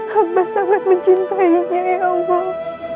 hamba sangat mencintainya ya allah